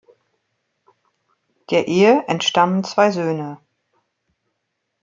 Der Ehe entstammen zwei Söhne.